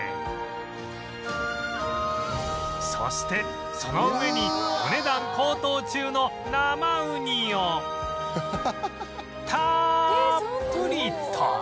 そしてその上にお値段高騰中の生ウニをたーっぷりと